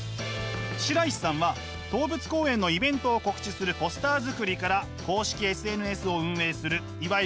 白石さんは動物公園のイベントを告知するポスター作りから公式ＳＮＳを運営するいわゆる「中の人」まで